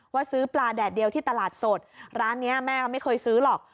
ซื้อปลาแดดเดียวที่ตลาดสดร้านนี้แม่ก็ไม่เคยซื้อหรอก